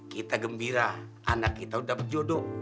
kita gembira anak kita sudah berjodoh